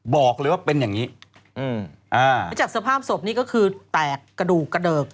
บอกเลยว่าเป็นอย่างงี้อืมอ่าแล้วจากสภาพศพนี่ก็คือแตกกระดูกกระเดิก